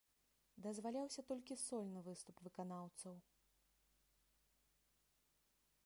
Дазваляўся толькі сольны выступ выканаўцаў.